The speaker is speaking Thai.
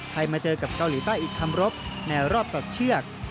มาเจอกับเกาหลีใต้อีกคำรบในรอบตัดเชือก